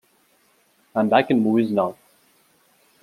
I'm back in movies now.